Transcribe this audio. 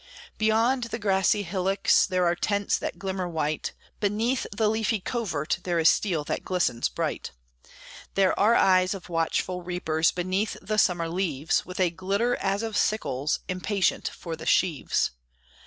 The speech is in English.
Beyond the grassy hillocks There are tents that glimmer white; Beneath the leafy covert There is steel that glistens bright. There are eyes of watchful reapers Beneath the summer leaves, With a glitter as of sickles Impatient for the sheaves.